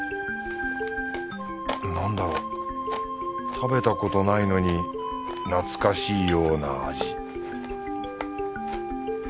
なんだろう食べたことないのに懐かしいような味